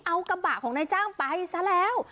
เอากระบะของนายจ้างไปซะแล้ว